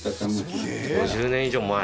５０年以上前。